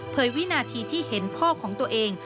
วินาทีที่เห็นพ่อของตัวเอง